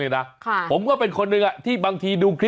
เพราะฉะนั้นเอามาฝากเตือนกันนะครับคุณผู้ชม